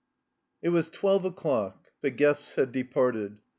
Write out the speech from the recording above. It was twelve o'clock. The guests had de parted.